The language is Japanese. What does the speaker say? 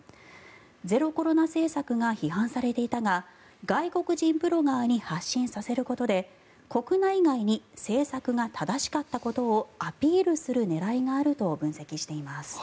ゼロコロナ政策が批判されていたが外国人ブロガーに発信させることで国内外に政策が正しかったことをアピールする狙いがあると分析しています。